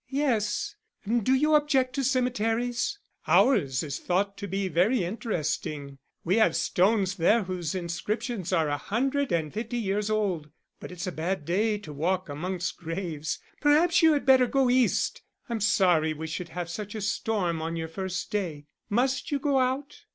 "Yes; do you object to cemeteries? Ours is thought to be very interesting. We have stones there whose inscriptions are a hundred and fifty years old. But it's a bad day to walk amongst graves. Perhaps you had better go east. I'm sorry we should have such a storm on your first day. Must you go out?"